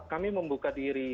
kami membuka diri